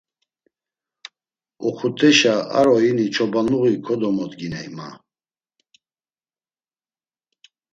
Oxuteşa ar oyini çobanluği kodomodginey ma.